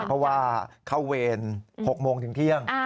เพราะว่าเข้าเวร๖โมงถึงเที่ยง